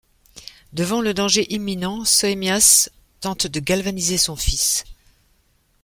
Devant le danger imminent, Soemias tente de galvaniser son fils.